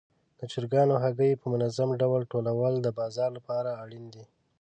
د چرګانو هګۍ په منظم ډول ټولول د بازار لپاره اړین دي.